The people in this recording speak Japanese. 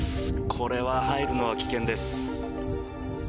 これは入るのは危険です。